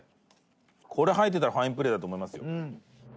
これ入ってたらファインプレーだと思いますよ。